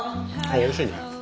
おいしいね。